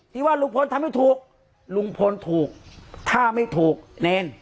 ที่ว่าลุงพลทำให้ถูกลุงพลถูกถ้าไม่ถูกเนร